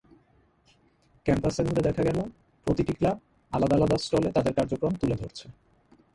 ক্যাম্পাসে ঘুরে দেখা গেল, প্রতিটি ক্লাব আলাদা আলাদা স্টলে তাদের কার্যক্রম তুলে ধরছে।